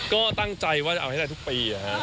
ก็ตั้งใจว่าจะเอาให้ได้ทุกปี